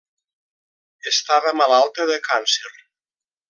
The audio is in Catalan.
Estava malalta de càncer.